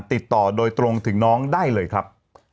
ติดต่อโดยตรงถึงน้องได้เลยครับ